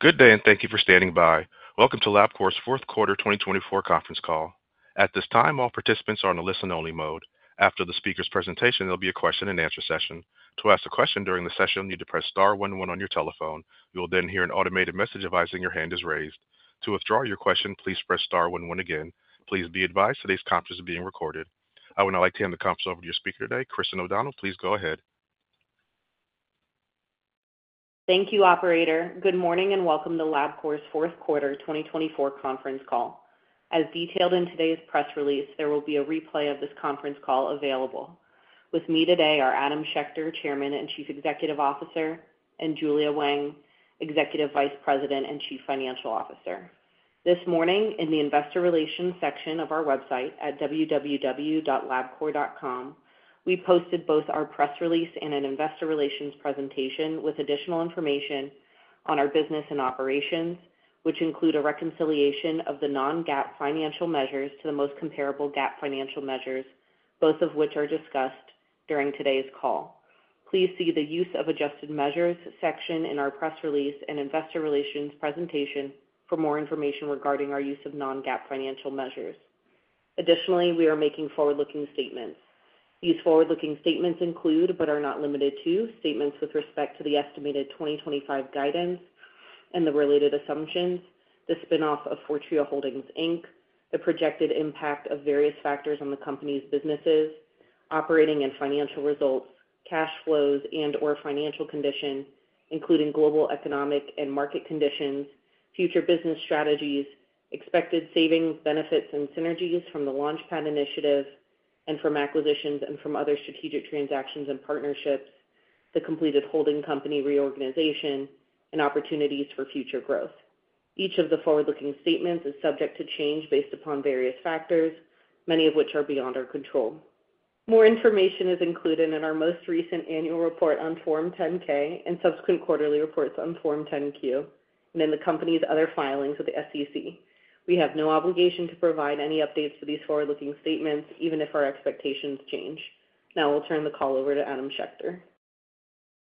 Good day, and thank you for standing by. Welcome to Labcorp's Fourth Quarter 2024 Conference Call. At this time, all participants are in a listen-only mode. After the speaker's presentation, there'll be a question-and-answer session. To ask a question during the session, you need to press star one one on your telephone. You will then hear an automated message advising your hand is raised. To withdraw your question, please press star one one again. Please be advised today's conference is being recorded. I would now like to hand the conference over to your speaker today, Christin O'Donnell. Please go ahead. Thank you, Operator. Good morning, and welcome to Labcorp's Fourth Quarter 2024 Conference Call. As detailed in today's press release, there will be a replay of this conference call available. With me today are Adam Schechter, Chairman and Chief Executive Officer, and Julia Wang, Executive Vice President and Chief Financial Officer. This morning, in the Investor Relations section of our website at www.labcorp.com, we posted both our press release and an Investor Relations presentation with additional information on our business and operations, which include a reconciliation of the non-GAAP financial measures to the most comparable GAAP financial measures, both of which are discussed during today's call. Please see the use of adjusted measures section in our press release and Investor Relations presentation for more information regarding our use of non-GAAP financial measures. Additionally, we are making forward-looking statements. These forward-looking statements include, but are not limited to, statements with respect to the estimated 2025 guidance and the related assumptions, the spinoff of Fortrea Holdings Inc, the projected impact of various factors on the company's businesses, operating and financial results, cash flows and/or financial condition, including global economic and market conditions, future business strategies, expected savings, benefits, and synergies from the LaunchPad Initiative and from acquisitions and from other strategic transactions and partnerships, the completed holding company reorganization, and opportunities for future growth. Each of the forward-looking statements is subject to change based upon various factors, many of which are beyond our control. More information is included in our most recent annual report on Form 10-K and subsequent quarterly reports on Form 10-Q, and in the company's other filings with the SEC. We have no obligation to provide any updates to these forward-looking statements, even if our expectations change. Now I'll turn the call over to Adam Schechter.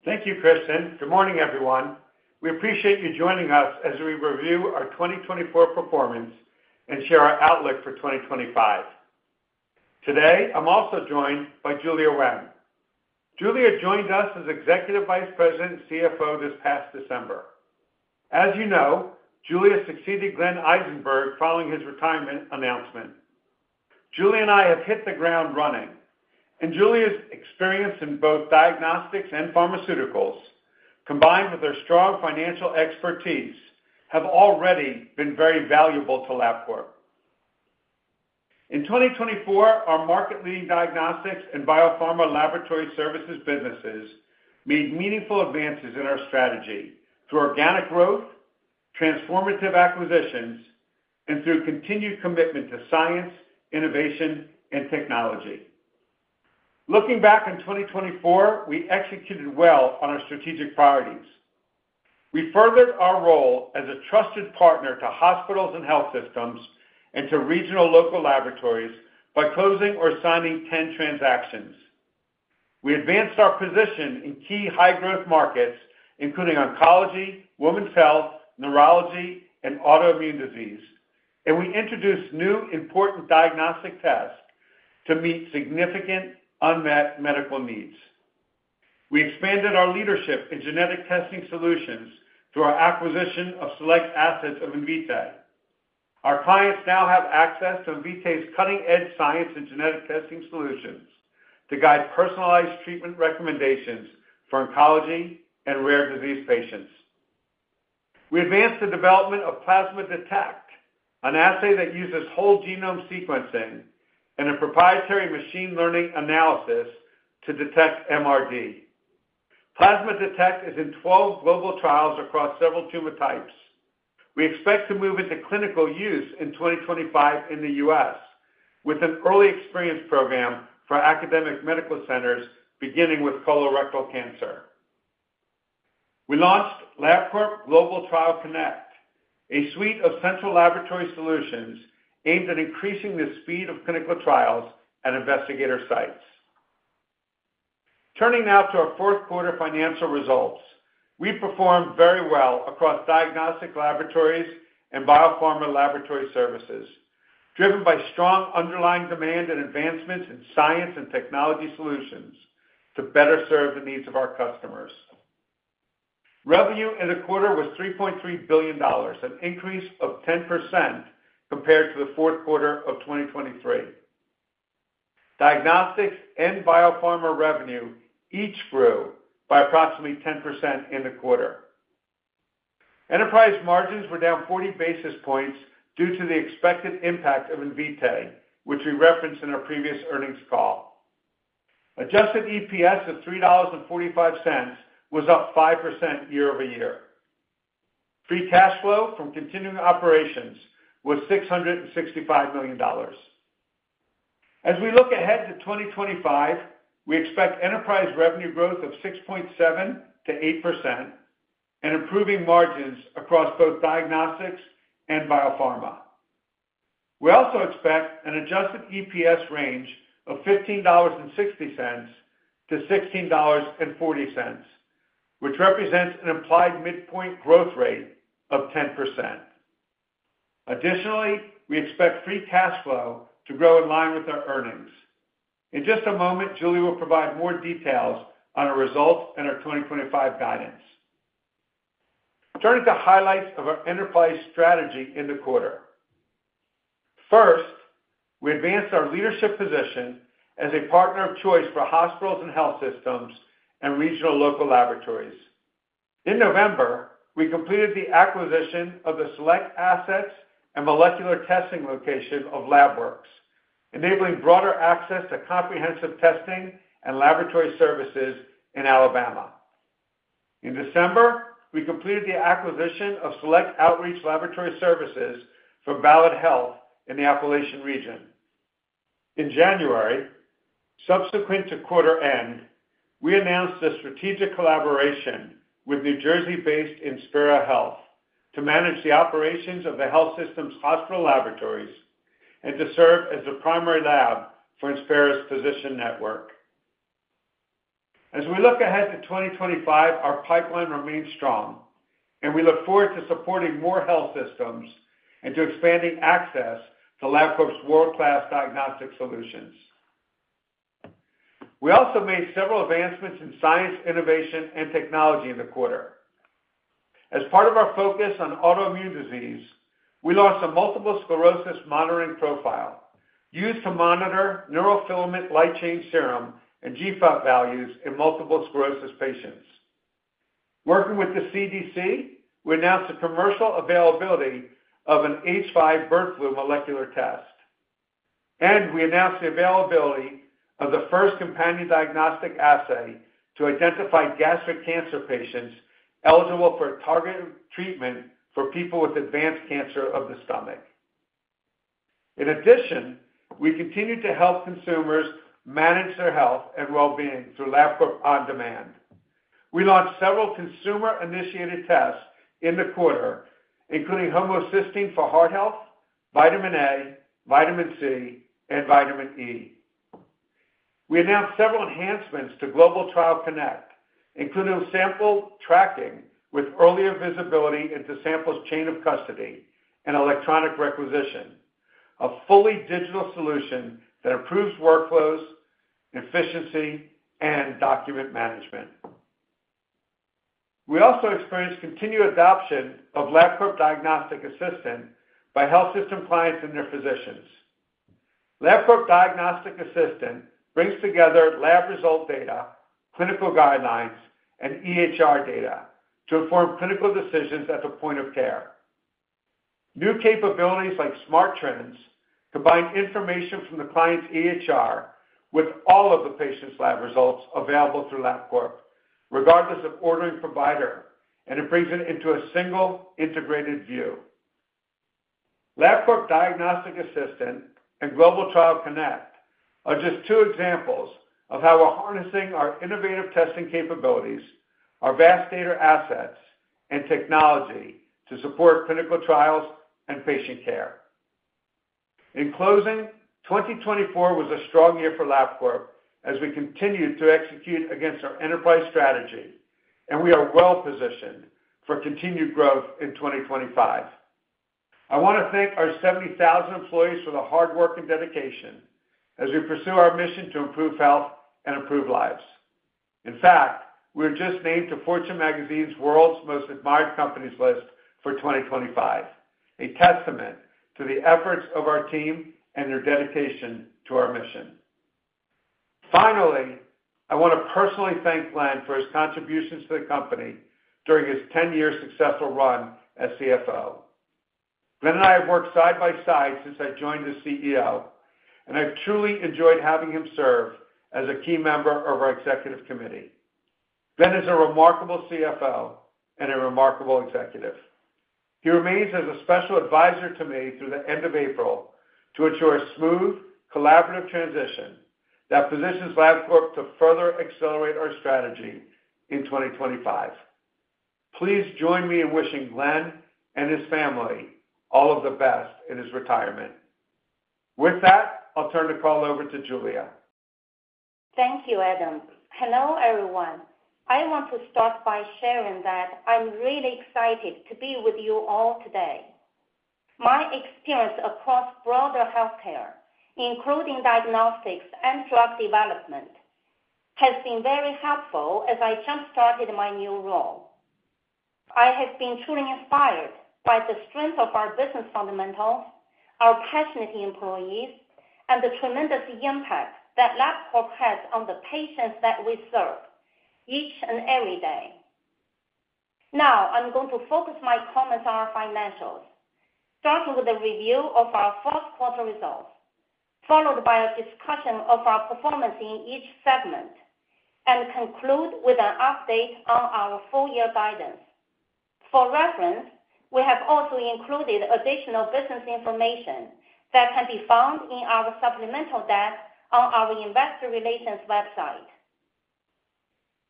Thank you, Christin. Good morning, everyone. We appreciate you joining us as we review our 2024 performance and share our outlook for 2025. Today, I'm also joined by Julia Wang. Julia joined us as Executive Vice President and CFO this past December. As you know, Julia succeeded Glenn Eisenberg following his retirement announcement. Julia and I have hit the ground running, and Julia's experience in both diagnostics and pharmaceuticals, combined with her strong financial expertise, has already been very valuable to Labcorp. In 2024, our market-leading diagnostics and biopharma laboratory services businesses made meaningful advances in our strategy through organic growth, transformative acquisitions, and through continued commitment to science, innovation, and technology. Looking back on 2024, we executed well on our strategic priorities. We furthered our role as a trusted partner to hospitals and health systems and to regional local laboratories by closing or signing 10 transactions. We advanced our position in key high-growth markets, including oncology, women's health, neurology, and autoimmune disease, and we introduced new important diagnostic tests to meet significant unmet medical needs. We expanded our leadership in genetic testing solutions through our acquisition of select assets of Invitae. Our clients now have access to Invitae's cutting-edge science and genetic testing solutions to guide personalized treatment recommendations for oncology and rare disease patients. We advanced the development of Plasma Detect, an assay that uses whole genome sequencing and a proprietary machine learning analysis to detect MRD. Plasma Detect is in 12 global trials across several tumor types. We expect to move into clinical use in 2025 in the U.S., with an early experience program for academic medical centers beginning with colorectal cancer. We launched Labcorp Global Trial Connect, a suite of central laboratory solutions aimed at increasing the speed of clinical trials at investigator sites. Turning now to our fourth quarter financial results, we performed very well across diagnostic laboratories and biopharma laboratory services, driven by strong underlying demand and advancements in science and technology solutions to better serve the needs of our customers. Revenue in the quarter was $3.3 billion, an increase of 10% compared to the fourth quarter of 2023. Diagnostics and biopharma revenue each grew by approximately 10% in the quarter. Enterprise margins were down 40 basis points due to the expected impact of Invitae, which we referenced in our previous earnings call. Adjusted EPS of $3.45 was up 5% year-over-year. Free cash flow from continuing operations was $665 million. As we look ahead to 2025, we expect enterprise revenue growth of 6.7%-8% and improving margins across both diagnostics and biopharma. We also expect an adjusted EPS range of $15.60-$16.40, which represents an implied midpoint growth rate of 10%. Additionally, we expect free cash flow to grow in line with our earnings. In just a moment, Julia will provide more details on our results and our 2025 guidance. Turning to highlights of our enterprise strategy in the quarter. First, we advanced our leadership position as a partner of choice for hospitals and health systems and regional local laboratories. In November, we completed the acquisition of the select assets and molecular testing location of Lab Works, enabling broader access to comprehensive testing and laboratory services in Alabama. In December, we completed the acquisition of select outreach laboratory services for Valley Health in the Appalachian region. In January, subsequent to quarter end, we announced a strategic collaboration with New Jersey-based Inspira Health to manage the operations of the health system's hospital laboratories and to serve as the primary lab for Inspira's physician network. As we look ahead to 2025, our pipeline remains strong, and we look forward to supporting more health systems and to expanding access to Labcorp's world-class diagnostic solutions. We also made several advancements in science, innovation, and technology in the quarter. As part of our focus on autoimmune disease, we launched a multiple sclerosis monitoring profile used to monitor neurofilament light chain serum and GFAP values in multiple sclerosis patients. Working with the CDC, we announced the commercial availability of an H5 bird flu molecular test, and we announced the availability of the first companion diagnostic assay to identify gastric cancer patients eligible for targeted treatment for people with advanced cancer of the stomach. In addition, we continue to help consumers manage their health and well-being through Labcorp OnDemand. We launched several consumer-initiated tests in the quarter, including homocysteine for heart health, vitamin A, vitamin C, and vitamin E. We announced several enhancements to Global Trial Connect, including sample tracking with earlier visibility into samples' chain of custody and electronic requisition, a fully digital solution that improves workflows, efficiency, and document management. We also experienced continued adoption of Labcorp Diagnostic Assistant by health system clients and their physicians. Labcorp Diagnostic Assistant brings together lab result data, clinical guidelines, and EHR data to inform clinical decisions at the point of care. New capabilities like smart trends combine information from the client's EHR with all of the patient's lab results available through Labcorp, regardless of ordering provider, and it brings it into a single integrated view. Labcorp Diagnostic Assistant and Global Trial Connect are just two examples of how we're harnessing our innovative testing capabilities, our vast data assets, and technology to support clinical trials and patient care. In closing, 2024 was a strong year for Labcorp as we continued to execute against our enterprise strategy, and we are well-positioned for continued growth in 2025. I want to thank our 70,000 employees for the hard work and dedication as we pursue our mission to improve health and improve lives. In fact, we were just named to Fortune Magazine's World's Most Admired Companies list for 2025, a testament to the efforts of our team and their dedication to our mission. Finally, I want to personally thank Glenn for his contributions to the company during his 10-year successful run as CFO. Glenn and I have worked side by side since I joined as CEO, and I've truly enjoyed having him serve as a key member of our executive committee. Glenn is a remarkable CFO and a remarkable executive. He remains as a special advisor to me through the end of April to ensure a smooth, collaborative transition that positions Labcorp to further accelerate our strategy in 2025. Please join me in wishing Glenn and his family all of the best in his retirement. With that, I'll turn the call over to Julia. Thank you, Adam. Hello, everyone. I want to start by sharing that I'm really excited to be with you all today. My experience across broader healthcare, including diagnostics and drug development, has been very helpful as I jump-started my new role. I have been truly inspired by the strength of our business fundamentals, our passionate employees, and the tremendous impact that Labcorp has on the patients that we serve each and every day. Now, I'm going to focus my comments on our financials, starting with a review of our fourth quarter results, followed by a discussion of our performance in each segment, and conclude with an update on our full-year guidance. For reference, we have also included additional business information that can be found in our supplemental deck on our Investor Relations website.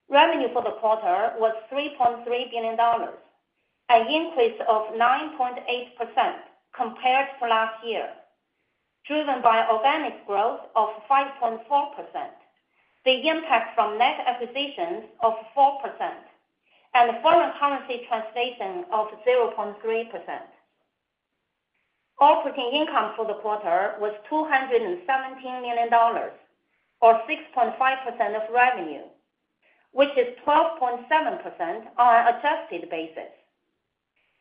Revenue for the quarter was $3.3 billion, an increase of 9.8% compared to last year, driven by organic growth of 5.4%, the impact from net acquisitions of 4%, and foreign currency translation of 0.3%. Operating income for the quarter was $217 million, or 6.5% of revenue, which is 12.7% on an adjusted basis.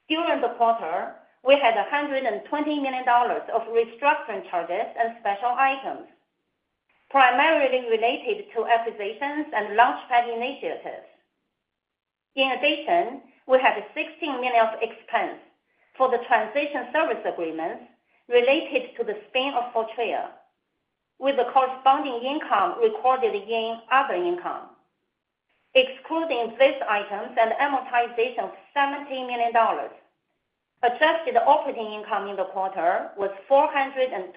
During the quarter, we had $120 million of restructuring charges and special items, primarily related to acquisitions and LaunchPad initiatives. In addition, we had $16 million of expense for the transition service agreements related to the spin-off for Fortrea, with the corresponding income recorded in other income. Excluding these items and amortization of $17 million, adjusted operating income in the quarter was $423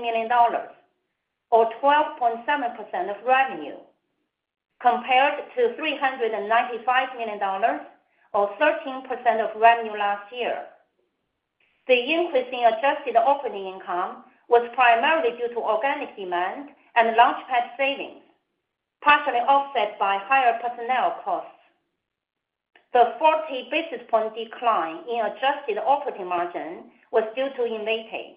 million, or 12.7% of revenue, compared to $395 million, or 13% of revenue last year. The increase in adjusted operating income was primarily due to organic demand and LaunchPad savings, partially offset by higher personnel costs. The 40 basis points decline in adjusted operating margin was due to Invitae.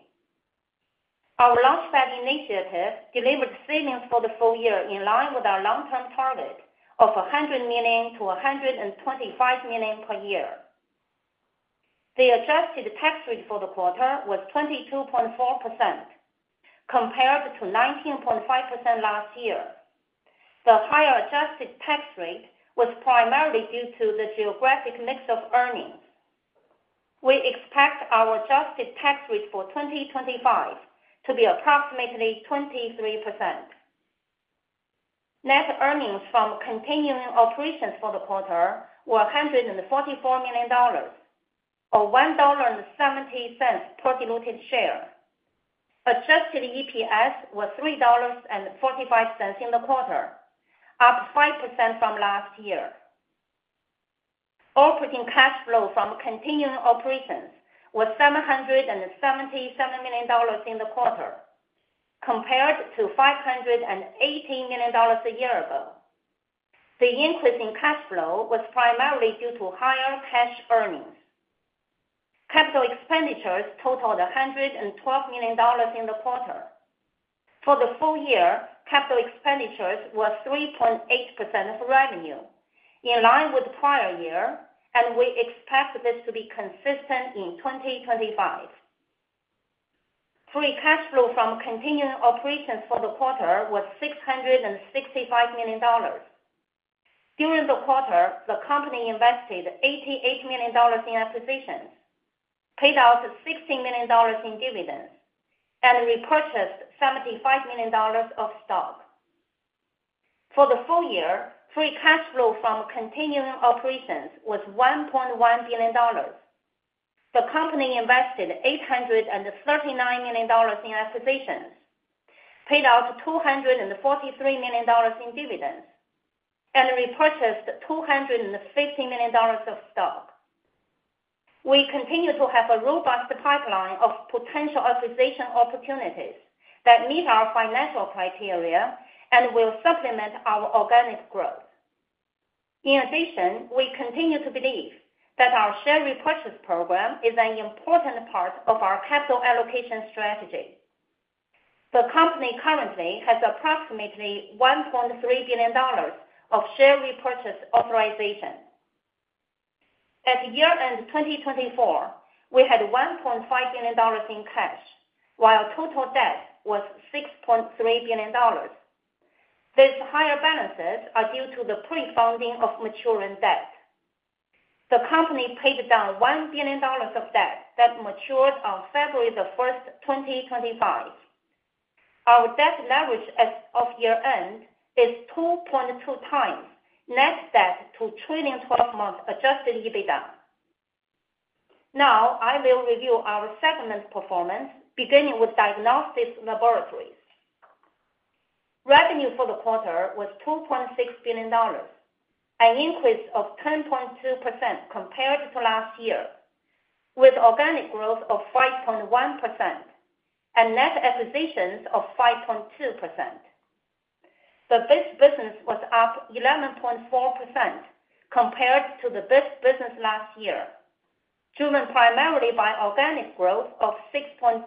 Our LaunchPad initiative delivered savings for the full year in line with our long-term target of $100 million-$125 million per year. The adjusted tax rate for the quarter was 22.4%, compared to 19.5% last year. The higher adjusted tax rate was primarily due to the geographic mix of earnings. We expect our adjusted tax rate for 2025 to be approximately 23%. Net earnings from continuing operations for the quarter were $144 million, or $1.70 per diluted share. Adjusted EPS was $3.45 in the quarter, up 5% from last year. Operating cash flow from continuing operations was $777 million in the quarter, compared to $580 million a year ago. The increase in cash flow was primarily due to higher cash earnings. Capital expenditures totaled $112 million in the quarter. For the full year, capital expenditures were 3.8% of revenue, in line with the prior year, and we expect this to be consistent in 2025. Free cash flow from continuing operations for the quarter was $665 million. During the quarter, the company invested $88 million in acquisitions, paid out $16 million in dividends, and repurchased $75 million of stock. For the full year, free cash flow from continuing operations was $1.1 billion. The company invested $839 million in acquisitions, paid out $243 million in dividends, and repurchased $250 million of stock. We continue to have a robust pipeline of potential acquisition opportunities that meet our financial criteria and will supplement our organic growth. In addition, we continue to believe that our share repurchase program is an important part of our capital allocation strategy. The company currently has approximately $1.3 billion of share repurchase authorization. At year-end 2024, we had $1.5 billion in cash, while total debt was $6.3 billion. These higher balances are due to the pre-funding of maturing debt. The company paid down $1 billion of debt that matured on February 1, 2025. Our debt leverage as of year-end is 2.2x net debt to trailing 12-month adjusted EBITDA. Now, I will review our segment performance, beginning with diagnostics laboratories. Revenue for the quarter was $2.6 billion, an increase of 10.2% compared to last year, with organic growth of 5.1% and net acquisitions of 5.2%. The business was up 11.4% compared to the business last year, driven primarily by organic growth of 6.2%.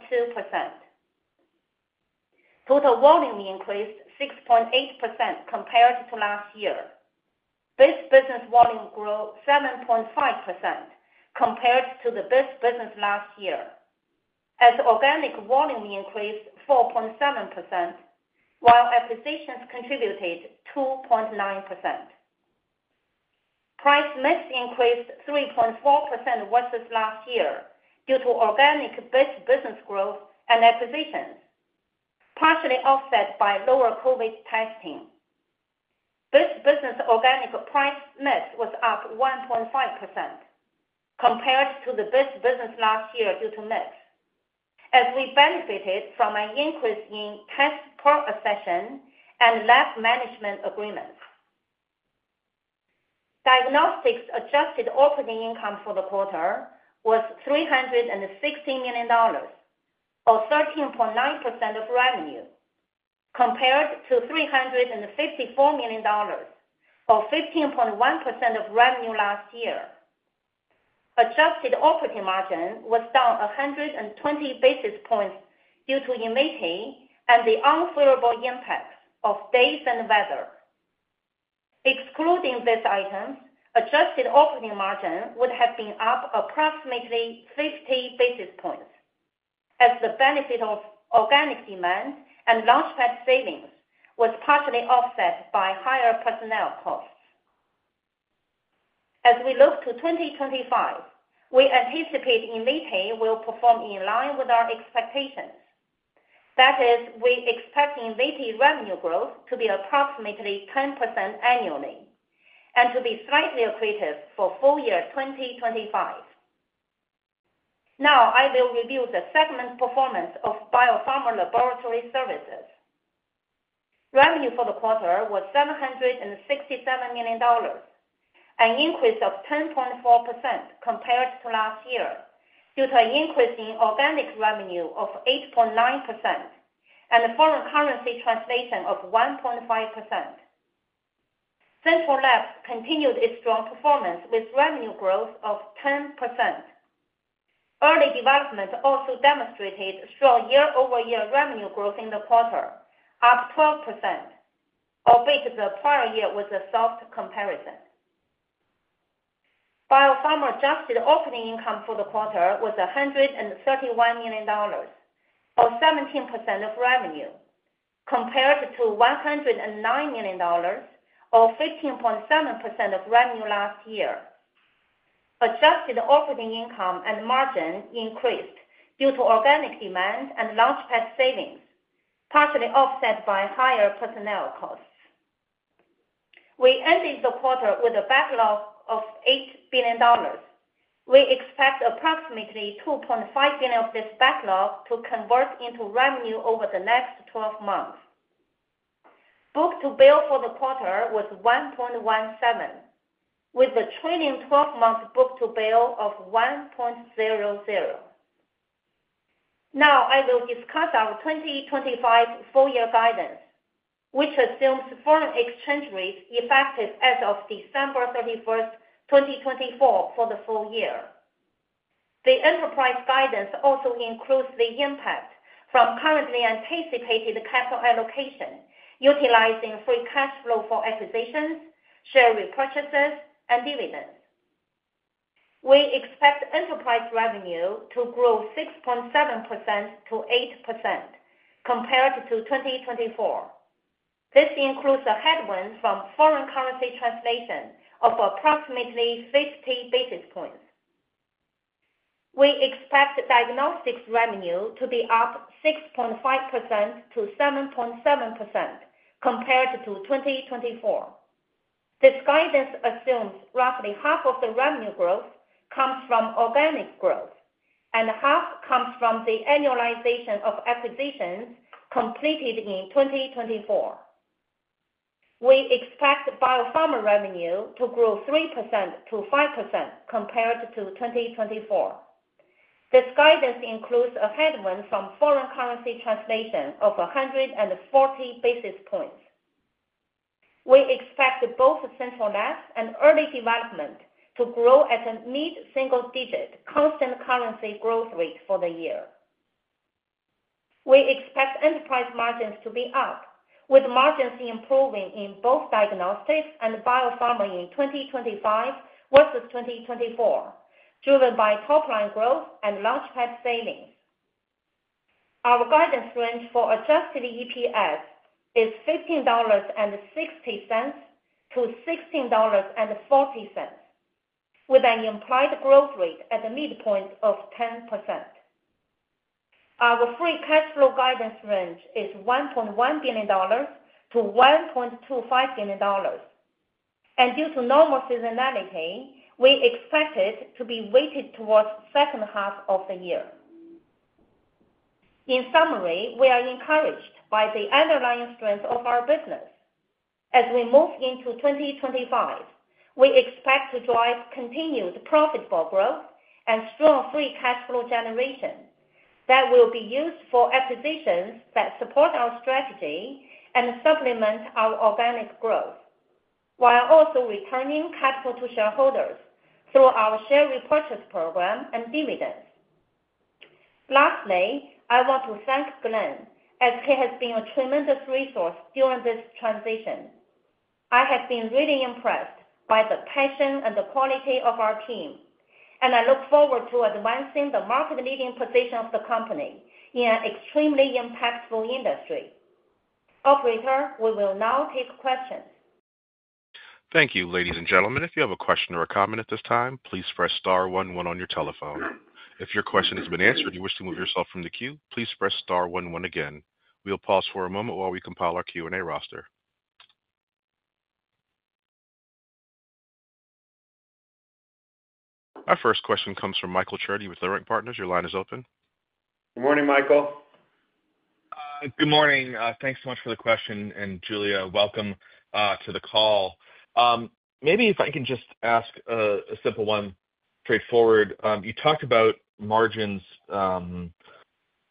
Total volume increased 6.8% compared to last year. Business volume grew 7.5% compared to the business last year, as organic volume increased 4.7%, while acquisitions contributed 2.9%. Price mix increased 3.4% versus last year due to organic business growth and acquisitions, partially offset by lower COVID testing. Business organic price mix was up 1.5% compared to the business last year due to mix, as we benefited from an increase in test per session and lab management agreements. Diagnostics adjusted operating income for the quarter was $360 million, or 13.9% of revenue, compared to $354 million, or 15.1% of revenue last year. Adjusted operating margin was down 120 basis points due to Invitae and the unfavorable impacts of days and weather. Excluding these items, adjusted operating margin would have been up approximately 50 basis points, as the benefit of organic demand and LaunchPad savings was partially offset by higher personnel costs. As we look to 2025, we anticipate Invitae will perform in line with our expectations. That is, we expect Invitae revenue growth to be approximately 10% annually and to be slightly accretive for full year 2025. Now, I will review the segment performance of Biopharma Laboratory Services. Revenue for the quarter was $767 million, an increase of 10.4% compared to last year due to an increase in organic revenue of 8.9% and foreign currency translation of 1.5%. Central Labs continued its strong performance with revenue growth of 10%. Early development also demonstrated strong year-over-year revenue growth in the quarter, up 12%, albeit the prior year was a soft comparison. Biopharma adjusted operating income for the quarter was $131 million, or 17% of revenue, compared to $109 million, or 15.7% of revenue last year. Adjusted operating income and margin increased due to organic demand and LaunchPad savings, partially offset by higher personnel costs. We ended the quarter with a backlog of $8 billion. We expect approximately $2.5 billion of this backlog to convert into revenue over the next 12 months. Book to bill for the quarter was 1.17, with the trailing 12-month book to bill of 1.00. Now, I will discuss our 2025 full-year guidance, which assumes foreign exchange rates effective as of December 31st, 2024, for the full year. The enterprise guidance also includes the impact from currently anticipated capital allocation, utilizing free cash flow for acquisitions, share repurchases, and dividends. We expect enterprise revenue to grow 6.7%-8% compared to 2024. This includes a headwind from foreign currency translation of approximately 50 basis points. We expect diagnostics revenue to be up 6.5%-7.7% compared to 2024. This guidance assumes roughly half of the revenue growth comes from organic growth, and half comes from the annualization of acquisitions completed in 2024. We expect biopharma revenue to grow 3%-5% compared to 2024. This guidance includes a headwind from foreign currency translation of 140 basis points. We expect both Central Labs and Early Development to grow at a mid-single-digit constant currency growth rate for the year. We expect enterprise margins to be up, with margins improving in both diagnostics and biopharma in 2025 versus 2024, driven by top-line growth and Launchpad savings. Our guidance range for adjusted EPS is $15.60-$16.40, with an implied growth rate at the midpoint of 10%. Our free cash flow guidance range is $1.1 billion-$1.25 billion, and due to normal seasonality, we expect it to be weighted towards the second half of the year. In summary, we are encouraged by the underlying strength of our business. As we move into 2025, we expect to drive continued profitable growth and strong free cash flow generation that will be used for acquisitions that support our strategy and supplement our organic growth, while also returning capital to shareholders through our share repurchase program and dividends. Lastly, I want to thank Glenn, as he has been a tremendous resource during this transition. I have been really impressed by the passion and the quality of our team, and I look forward to advancing the market-leading position of the company in an extremely impactful industry. Operator, we will now take questions. Thank you, ladies and gentlemen. If you have a question or a comment at this time, please press star one one on your telephone. If your question has been answered and you wish to move yourself from the queue, please press star one one again. We'll pause for a moment while we compile our Q&A roster. Our first question comes from Michael Cherny with Leerink Partners. Your line is open. Good morning, Michael. Good morning. Thanks so much for the question, and Julia, welcome to the call. Maybe if I can just ask a simple one, straightforward. You talked about margins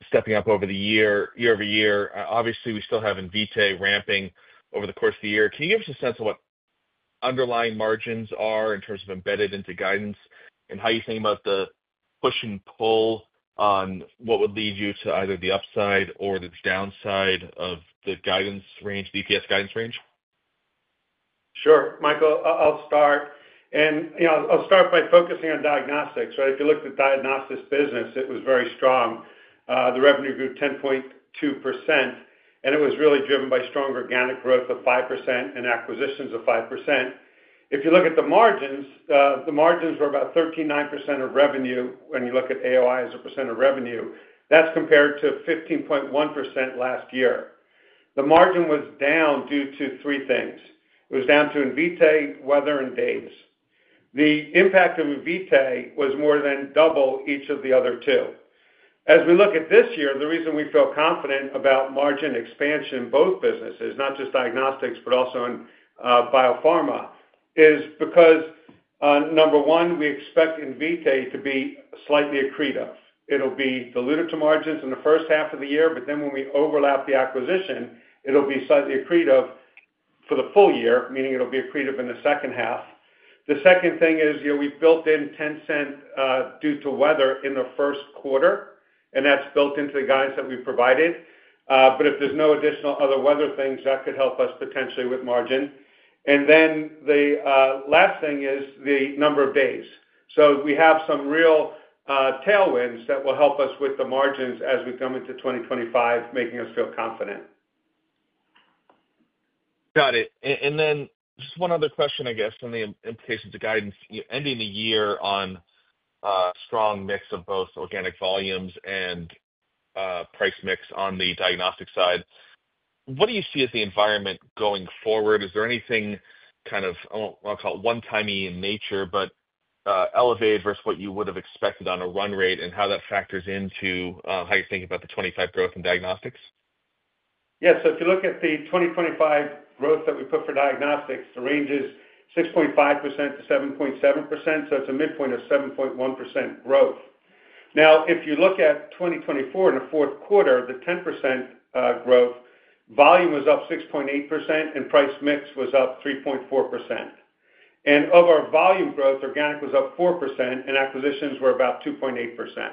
stepping up over the year, year-over-year. Obviously, we still have Invitae ramping over the course of the year. Can you give us a sense of what underlying margins are in terms of embedded into guidance and how you're thinking about the push and pull on what would lead you to either the upside or the downside of the guidance range, the EPS guidance range? Sure, Michael. I'll start. I'll start by focusing on diagnostics, right? If you looked at diagnostics business, it was very strong. The revenue grew 10.2%, and it was really driven by strong organic growth of 5% and acquisitions of 5%. If you look at the margins, the margins were about 39% of revenue when you look at AOI as a % of revenue. That's compared to 15.1% last year. The margin was down due to three things. It was down to Invitae, weather, and days. The impact of Invitae was more than double each of the other two. As we look at this year, the reason we feel confident about margin expansion in both businesses, not just diagnostics but also in biopharma, is because, number one, we expect Invitae to be slightly accretive. It'll be diluted to margins in the first half of the year, but then when we overlap the acquisition, it'll be slightly accretive for the full year, meaning it'll be accretive in the second half. The second thing is we've built in $0.10 due to weather in the first quarter, and that's built into the guidance that we've provided. But if there's no additional other weather things, that could help us potentially with margin. And then the last thing is the number of days. So we have some real tailwinds that will help us with the margins as we come into 2025, making us feel confident. Got it. And then just one other question, I guess, on the implications of guidance. You're ending the year on a strong mix of both organic volumes and price mix on the diagnostic side. What do you see as the environment going forward? Is there anything kind of, I won't call it one-timey in nature, but elevated versus what you would have expected on a run rate and how that factors into how you're thinking about the 2025 growth in diagnostics? Yeah. So if you look at the 2025 growth that we put for diagnostics, the range is 6.5%-7.7%. So it's a midpoint of 7.1% growth. Now, if you look at 2024 in the fourth quarter, the 10% growth, volume was up 6.8%, and price mix was up 3.4%. And of our volume growth, organic was up 4%, and acquisitions were about 2.8%.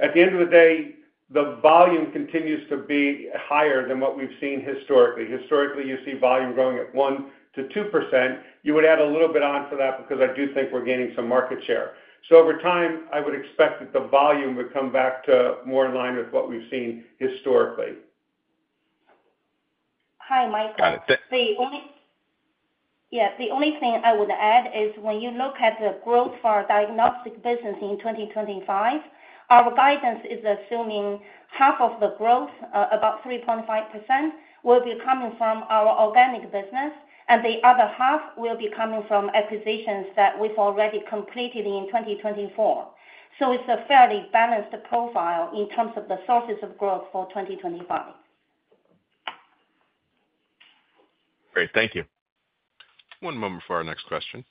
At the end of the day, the volume continues to be higher than what we've seen historically. Historically, you see volume growing at 1%-2%. You would add a little bit on for that because I do think we're gaining some market share. So over time, I would expect that the volume would come back to more in line with what we've seen historically. Hi, Michael. Got it. Yeah. The only thing I would add is when you look at the growth for our diagnostic business in 2025, our guidance is assuming half of the growth, about 3.5%, will be coming from our organic business, and the other half will be coming from acquisitions that we've already completed in 2024. So it's a fairly balanced profile in terms of the sources of growth for 2025. Great. Thank you. One moment for our next question.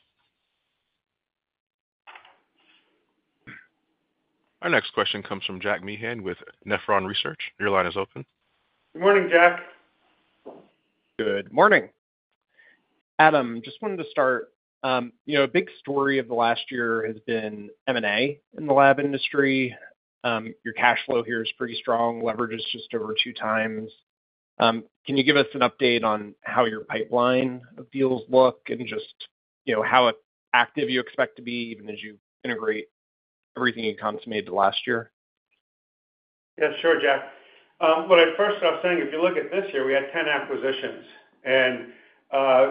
Our next question comes from Jack Meehan with Nephron Research. Your line is open. Good morning, Jack. Good morning. Adam, just wanted to start. A big story of the last year has been M&A in the lab industry. Your cash flow here is pretty strong. Leverage is just over two times. Can you give us an update on how your pipeline of deals look and just how active you expect to be even as you integrate everything you consummated last year? Yeah, sure, Jack. What I first off saying, if you look at this year, we had 10 acquisitions, and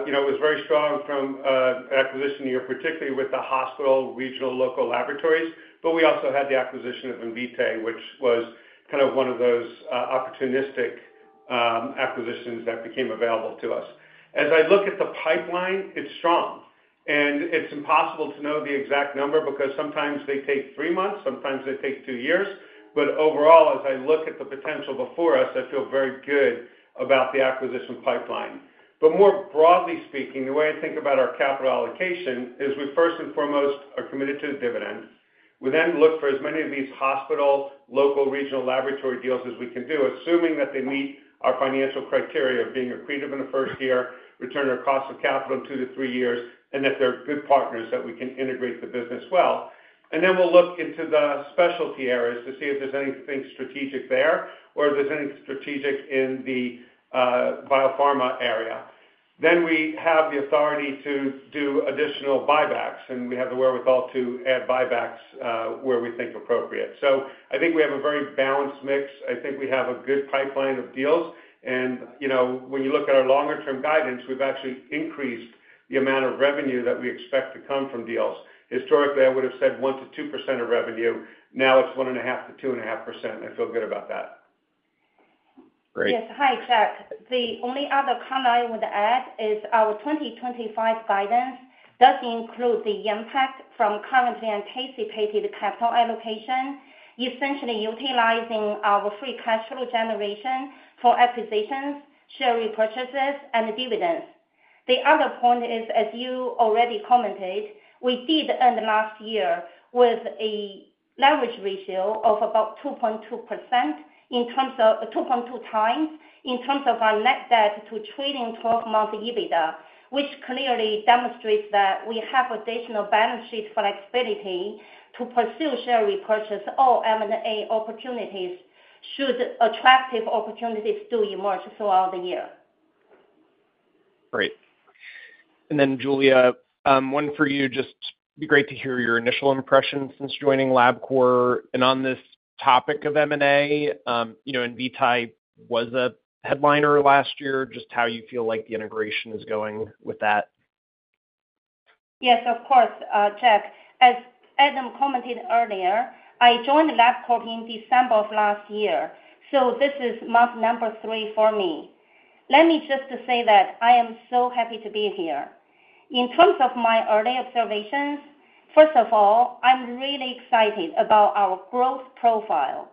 it was very strong from acquisition year, particularly with the hospital, regional, local laboratories, but we also had the acquisition of Invitae, which was kind of one of those opportunistic acquisitions that became available to us. As I look at the pipeline, it's strong, and it's impossible to know the exact number because sometimes they take three months, sometimes they take two years, but overall, as I look at the potential before us, I feel very good about the acquisition pipeline. But more broadly speaking, the way I think about our capital allocation is we first and foremost are committed to the dividend. We then look for as many of these hospital, local, regional laboratory deals as we can do, assuming that they meet our financial criteria of being accretive in the first year, return on cost of capital in two-to-three years, and that they're good partners that we can integrate the business well. And then we'll look into the specialty areas to see if there's anything strategic there or if there's anything strategic in the biopharma area. Then we have the authority to do additional buybacks, and we have the wherewithal to add buybacks where we think appropriate. So I think we have a very balanced mix. I think we have a good pipeline of deals. And when you look at our longer-term guidance, we've actually increased the amount of revenue that we expect to come from deals. Historically, I would have said 1%-2% of revenue. Now it's 1.5%-2.5%, and I feel good about that. Great. Yes. Hi, Jack. The only other comment I would add is our 2025 guidance does include the impact from currently anticipated capital allocation, essentially utilizing our free cash flow generation for acquisitions, share repurchases, and dividends. The other point is, as you already commented, we ended last year with a leverage ratio of about 2.2x in terms of our net debt to trailing 12-month EBITDA, which clearly demonstrates that we have additional balance sheet flexibility to pursue share repurchase or M&A opportunities should attractive opportunities do emerge throughout the year. Great. And then, Julia, one for you. Just be great to hear your initial impressions since joining Labcorp. On this topic of M&A, Invitae was a headliner last year. Just how you feel like the integration is going with that? Yes, of course, Jack. As Adam commented earlier, I joined Labcorp in December of last year, so this is month number three for me. Let me just say that I am so happy to be here. In terms of my early observations, first of all, I'm really excited about our growth profile.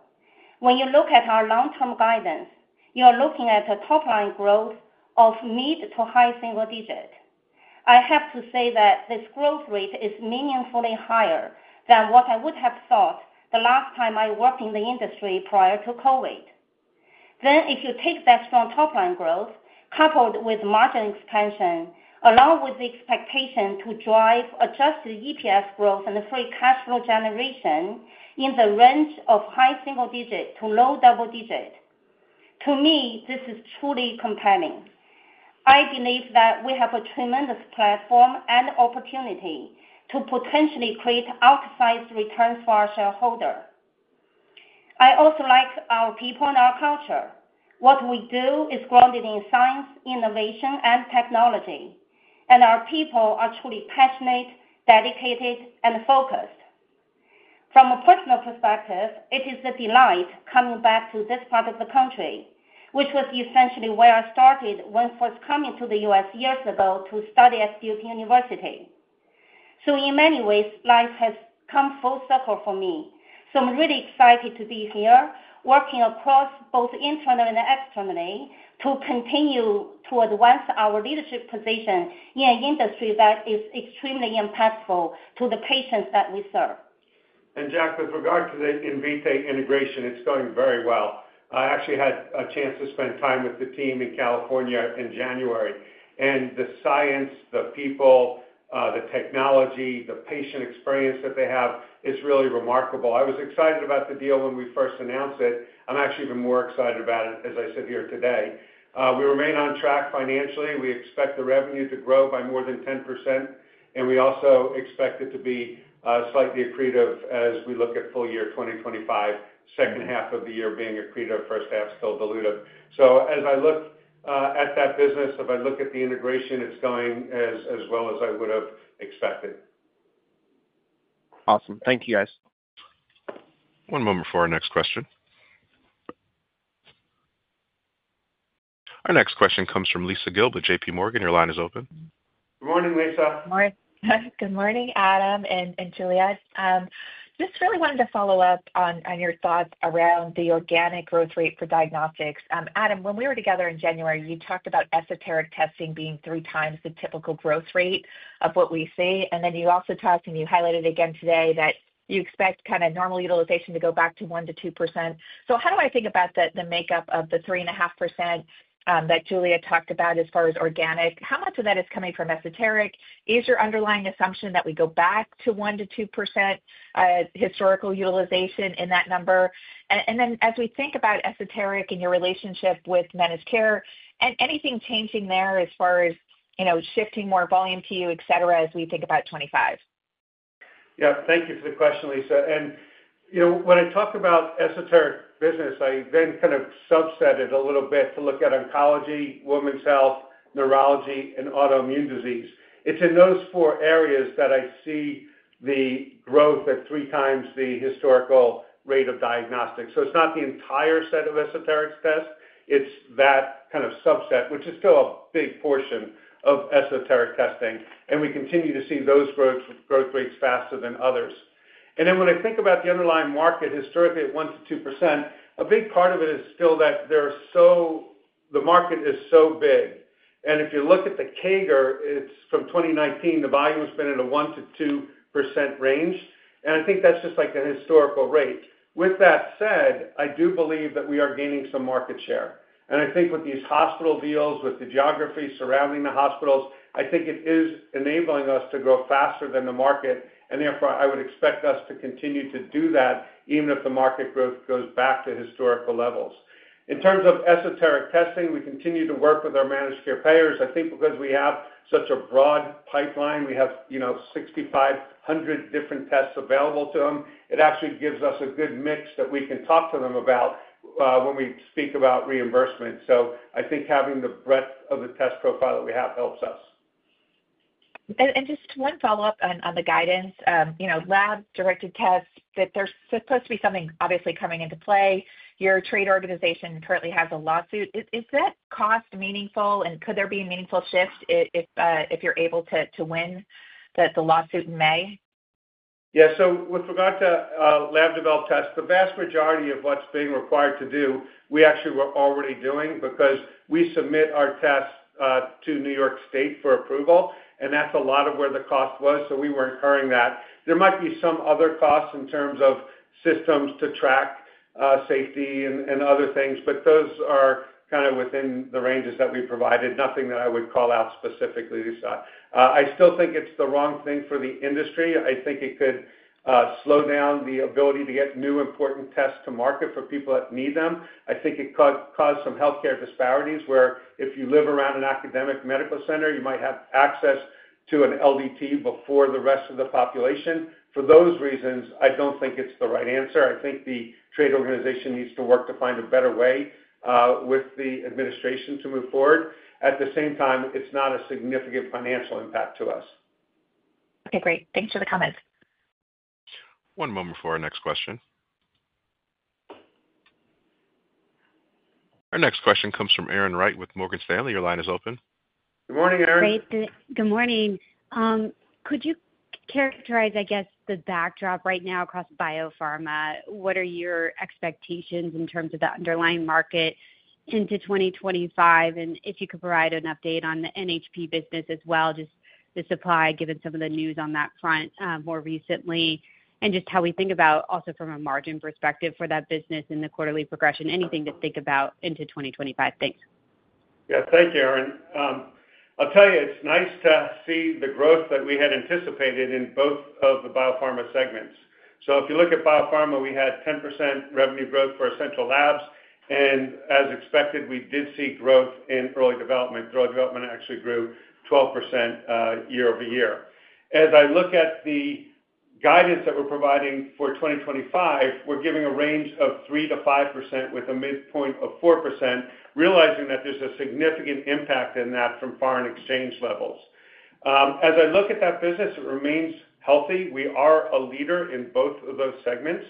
When you look at our long-term guidance, you are looking at a top-line growth of mid- to high-single-digit. I have to say that this growth rate is meaningfully higher than what I would have thought the last time I worked in the industry prior to COVID. Then if you take that strong top-line growth coupled with margin expansion, along with the expectation to drive adjusted EPS growth and free cash flow generation in the range of high single digit to low double digit, to me, this is truly compelling. I believe that we have a tremendous platform and opportunity to potentially create outsized returns for our shareholder. I also like our people and our culture. What we do is grounded in science, innovation, and technology, and our people are truly passionate, dedicated, and focused. From a personal perspective, it is a delight coming back to this part of the country, which was essentially where I started when first coming to the U.S. years ago to study at Duke University. So in many ways, life has come full circle for me. So I'm really excited to be here working across both internally and externally to continue to advance our leadership position in an industry that is extremely impactful to the patients that we serve. And Jack, with regard to the Invitae integration, it's going very well. I actually had a chance to spend time with the team in California in January. And the science, the people, the technology, the patient experience that they have is really remarkable. I was excited about the deal when we first announced it. I'm actually even more excited about it, as I sit here today. We remain on track financially. We expect the revenue to grow by more than 10%, and we also expect it to be slightly accretive as we look at full year 2025, second half of the year being accretive, first half still diluted. So as I look at that business, if I look at the integration, it's going as well as I would have expected. Awesome. Thank you, guys. One moment for our next question. Our next question comes from Lisa Gill, JPMorgan Chase. Your line is open. Good morning, Lisa. Good morning, Adam and Julia. Just really wanted to follow up on your thoughts around the organic growth rate for diagnostics. Adam, when we were together in January, you talked about esoteric testing being three times the typical growth rate of what we see. And then you also talked and you highlighted again today that you expect kind of normal utilization to go back to 1%-2%. So how do I think about the makeup of the 3.5% that Julia talked about as far as organic? How much of that is coming from esoteric? Is your underlying assumption that we go back to 1%-2% historical utilization in that number? And then as we think about esoteric and your relationship with Medicare, and anything changing there as far as shifting more volume to you, etc., as we think about 2025? Yeah. Thank you for the question, Lisa. And when I talk about esoteric business, I then kind of subset it a little bit to look at oncology, women's health, neurology, and autoimmune disease. It's in those four areas that I see the growth at three times the historical rate of diagnostics. So it's not the entire set of esoteric tests. It's that kind of subset, which is still a big portion of esoteric testing. And we continue to see those growth rates faster than others. And then when I think about the underlying market, historically at 1%-2%, a big part of it is still that the market is so big. And if you look at the CAGR, it's from 2019, the volume has been in a 1%-2% range. And I think that's just like a historical rate. With that said, I do believe that we are gaining some market share. And I think with these hospital deals, with the geography surrounding the hospitals, I think it is enabling us to grow faster than the market. And therefore, I would expect us to continue to do that even if the market growth goes back to historical levels. In terms of esoteric testing, we continue to work with our managed care payers. I think because we have such a broad pipeline, we have 6,500 different tests available to them. It actually gives us a good mix that we can talk to them about when we speak about reimbursement. So I think having the breadth of the test profile that we have helps us. And just one follow-up on the guidance. Lab-developed tests, there's supposed to be something obviously coming into play. Your trade organization currently has a lawsuit. Is that cost meaningful? And could there be a meaningful shift if you're able to win the lawsuit in May? Yeah. So with regard to lab-developed tests, the vast majority of what's being required to do, we actually were already doing because we submit our tests to New York State for approval. And that's a lot of where the cost was. So we were incurring that. There might be some other costs in terms of systems to track safety and other things, but those are kind of within the ranges that we provided, nothing that I would call out specifically, Lisa. I still think it's the wrong thing for the industry. I think it could slow down the ability to get new important tests to market for people that need them. I think it caused some healthcare disparities where if you live around an academic medical center, you might have access to an LDT before the rest of the population. For those reasons, I don't think it's the right answer. I think the trade organization needs to work to find a better way with the administration to move forward. At the same time, it's not a significant financial impact to us. Okay. Great. Thanks for the comments. One moment for our next question. Our next question comes from Erin Wright with Morgan Stanley. Your line is open. Good morning, Erin. Good morning. Could you characterize, I guess, the backdrop right now across biopharma? What are your expectations in terms of the underlying market into 2025? And if you could provide an update on the NHP business as well, just the supply given some of the news on that front more recently, and just how we think about also from a margin perspective for that business in the quarterly progression, anything to think about into 2025. Thanks. Yeah. Thank you, Erin. I'll tell you, it's nice to see the growth that we had anticipated in both of the biopharma segments, so if you look at biopharma, we had 10% revenue growth for essential labs, and as expected, we did see growth in early development. Early development actually grew 12% year-over-year. As I look at the guidance that we're providing for 2025, we're giving a range of 3%-5% with a midpoint of 4%, realizing that there's a significant impact in that from foreign exchange levels. As I look at that business, it remains healthy. We are a leader in both of those segments.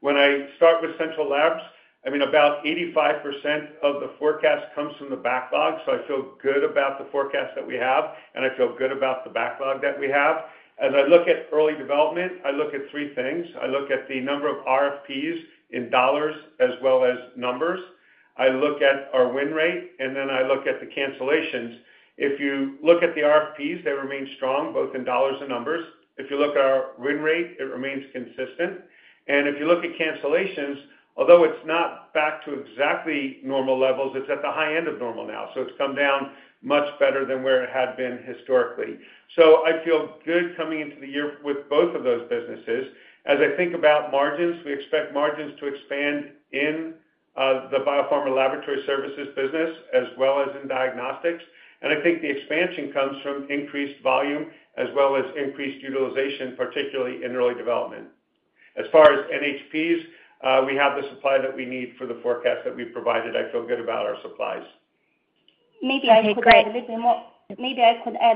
When I start with essential labs, I mean, about 85% of the forecast comes from the backlog. So I feel good about the forecast that we have, and I feel good about the backlog that we have. As I look at early development, I look at three things. I look at the number of RFPs in dollars as well as numbers. I look at our win rate, and then I look at the cancellations. If you look at the RFPs, they remain strong both in dollars and numbers. If you look at our win rate, it remains consistent. And if you look at cancellations, although it's not back to exactly normal levels, it's at the high end of normal now. So it's come down much better than where it had been historically. So I feel good coming into the year with both of those businesses. As I think about margins, we expect margins to expand in the biopharma laboratory services business as well as in diagnostics. And I think the expansion comes from increased volume as well as increased utilization, particularly in early development. As far as NHPs, we have the supply that we need for the forecast that we've provided. I feel good about our supplies. Maybe I could add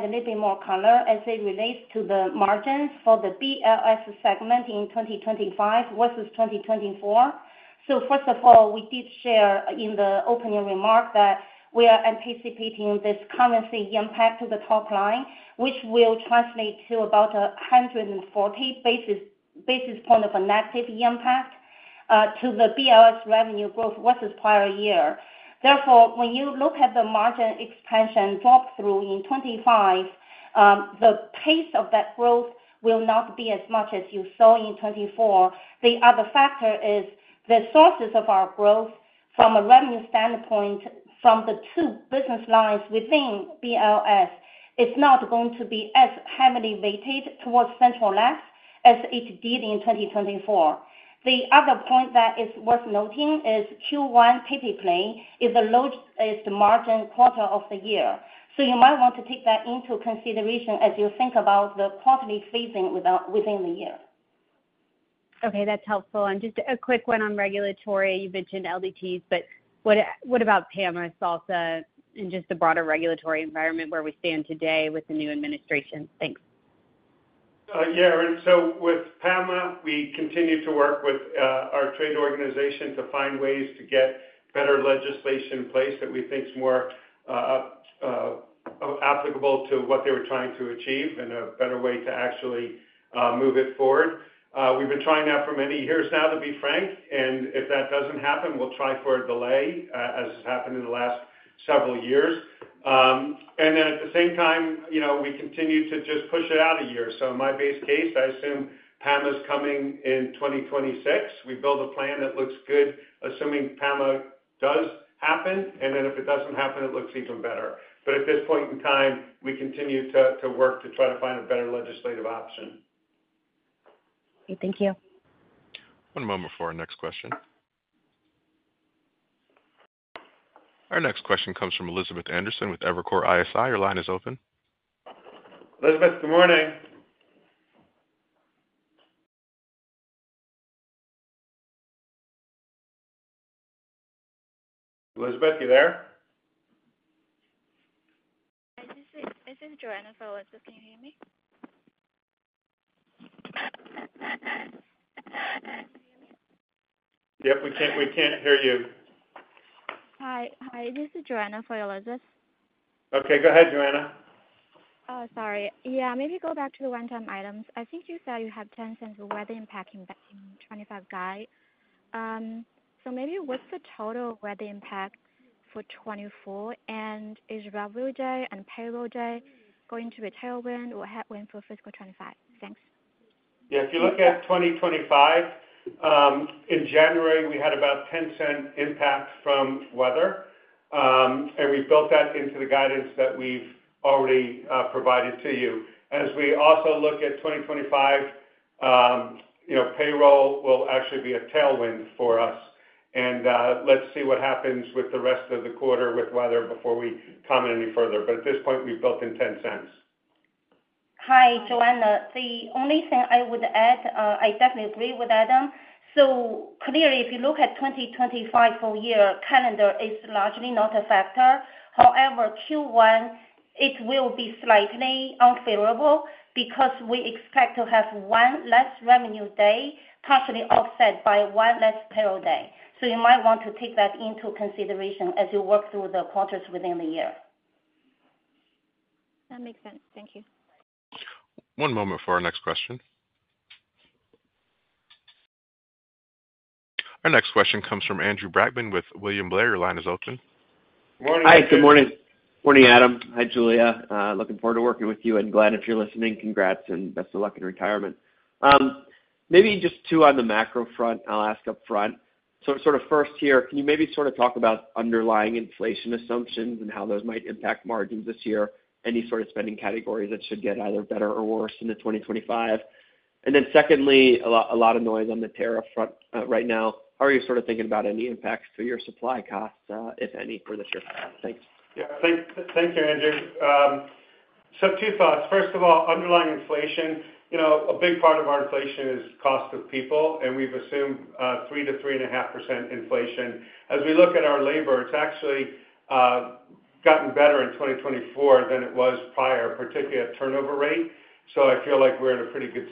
a little bit more color as it relates to the margins for the BLS segment in 2025 versus 2024. So first of all, we did share in the opening remark that we are anticipating this currency impact to the top line, which will translate to about a 140 basis points of a negative impact to the BLS revenue growth versus prior year. Therefore, when you look at the margin expansion drop-through in 2025, the pace of that growth will not be as much as you saw in 2024. The other factor is the sources of our growth from a revenue standpoint from the two business lines within BLS is not going to be as heavily weighted towards central labs as it did in 2024. The other point that is worth noting is Q1 typically is the margin quarter of the year. So you might want to take that into consideration as you think about the quarterly phasing within the year. Okay. That's helpful. And just a quick one on regulatory. You mentioned LDTs, but what about PAMA, SALSA, and just the broader regulatory environment where we stand today with the new administration? Thanks. Yeah. So with PAMA, we continue to work with our trade organization to find ways to get better legislation in place that we think is more applicable to what they were trying to achieve and a better way to actually move it forward. We've been trying that for many years now, to be frank. And if that doesn't happen, we'll try for a delay as has happened in the last several years. And then at the same time, we continue to just push it out a year. So in my base case, I assume PAMA's coming in 2026. We build a plan that looks good, assuming PAMA does happen. And then if it doesn't happen, it looks even better. But at this point in time, we continue to work to try to find a better legislative option. Thank you. One moment for our next question. Our next question comes from Elizabeth Anderson with Evercore ISI. Your line is open. Elizabeth, good morning. Elizabeth, you there? This is Joanna for Elizabeth. Can you hear me? Yep. We can't hear you. Hi. Hi. This is Joanna for Elizabeth. Okay. Go ahead, Joanna. Sorry. Yeah. Maybe go back to the one-time items. I think you said you have 10% weather impact impacting 2025 guide. So maybe what's the total weather impact for 2024? And is revenue day and payroll day going to be tailwind or headwind for fiscal 2025? Thanks. Yeah. If you look at 2025, in January, we had about 10% impact from weather. And we built that into the guidance that we've already provided to you. As we also look at 2025, payroll will actually be a tailwind for us, and let's see what happens with the rest of the quarter with weather before we comment any further, but a this point, we've built in $0.10. Hi, Joanna. The only thing I would add, I definitely agree with Adam, so clearly, if you look at 2025 full year, calendar is largely not a factor. However, Q1, it will be slightly unfavorable because we expect to have one less revenue day, partially offset by one less payroll day, so you might want to take that into consideration as you work through the quarters within the year. That makes sense. Thank you. One moment for our next question. Our next question comes from Andrew Brackmann with William Blair. Your line is open. Good morning, Andrew. Hi. Good morning. Good morning, Adam. Hi, Julia. Looking forward to working with you and glad if you're listening. Congrats and best of luck in retirement. Maybe just two on the macro front I'll ask upfront. So sort of first here, can you maybe sort of talk about underlying inflation assumptions and how those might impact margins this year, any sort of spending categories that should get either better or worse in 2025? And then secondly, a lot of noise on the tariff front right now. Are you sort of thinking about any impacts to your supply costs, if any, for this year? Thanks. Yeah. Thank you, Andrew. So two thoughts. First of all, underlying inflation, a big part of our inflation is cost of people. And we've assumed 3%-3.5% inflation. As we look at our labor, it's actually gotten better in 2024 than it was prior, particularly at turnover rate. So I feel like we're in a pretty good